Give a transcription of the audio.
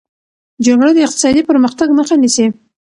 جګړه د اقتصادي پرمختګ مخه نیسي.